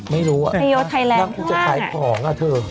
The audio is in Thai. ไม่รู้อะน้ำกุญแจไทยพอหล่ะเธอโอ้โฮไอโยไทยแลนด์ห้วงอะ